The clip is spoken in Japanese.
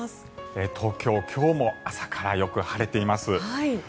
東京、今日も朝からよく晴れています。